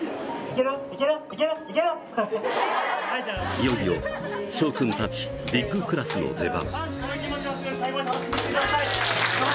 いよいよ、しょう君たちビッグクラスの出番。